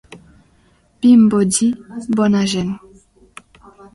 Vimbodí, bona gent.